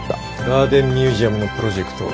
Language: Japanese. ガーデンミュージアムのプロジェクト